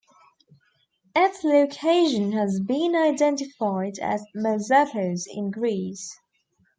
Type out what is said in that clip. Its location has been identified as Mezapos in Greece.